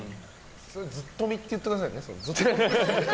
ずっとみって言ってくださいね。